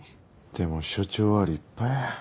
でも署長は立派や。